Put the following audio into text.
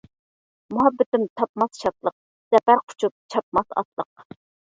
مۇھەببىتىم تاپماس شادلىق، زەپەر قۇچۇپ چاپماس ئاتلىق.